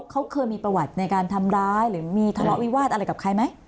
เขาเคยมีประวัติในการทำร้ายหรือมีทะเลาะวิวาสอะไรกับใครไหม